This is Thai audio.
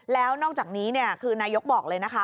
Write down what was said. แล้วนอกจากนี้คือนายกบอกเลยนะคะ